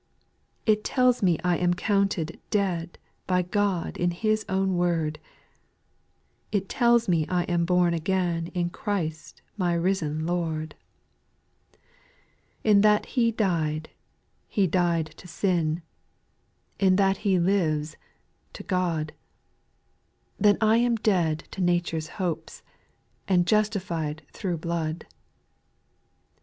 7. It tells me I am counted " dead" By God in His own word, It tells me T am " born again" In Christ my risen Lord. SPIRITUAL SONGS, 147 8. In that He died, He died to sin, In that He lives — to God ; Then I am dead to nature's hopes, And justified thro' blood.